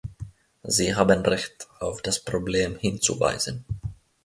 Sie haben recht, auf das Problem hinzuweisen.